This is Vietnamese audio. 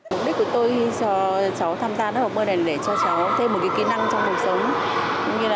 mục đích của tôi cho cháu tham gia lớp học bơi này là để cho cháu thêm một kỹ năng trong cuộc sống